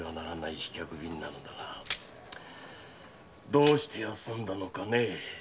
どうして休んだのかね。